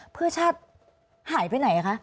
เพื่อชาติหายไปไหนคะ